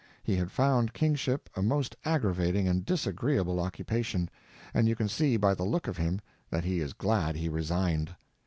He had found kingship a most aggravating and disagreeable occupation, and you can see by the look of him that he is glad he resigned.